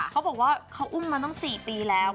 เขาบอกว่าเขาอุ้มมาตั้ง๔ปีแล้ว